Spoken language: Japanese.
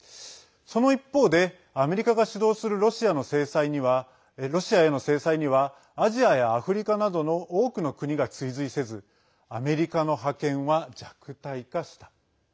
その一方でアメリカが主導するロシアへの制裁にはアジアやアフリカなどの多くの国が追随せずアメリカの覇権は弱体化した。